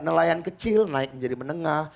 nelayan kecil naik menjadi menengah